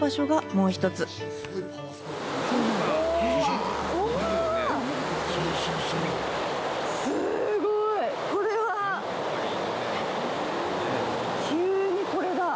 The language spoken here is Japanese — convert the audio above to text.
うわっ、すごい。これは、急にこれが。